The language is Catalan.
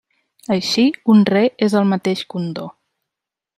Així, un Re és el mateix que un Do.